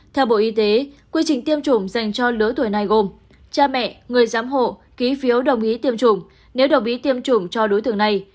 theo bộ y tế quy trình tiêm chủng dành cho lứa tuổi này gồm cha mẹ người giám hộ ký phiếu đồng ý tiêm chủng nếu đồng ý tiêm chủng cho đối tượng này